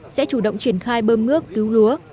sẽ chủ động triển khai bơm nước cứu lúa